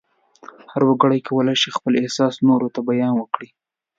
هر وګړی کولای شي خپل احساس نورو ته بیان کړي.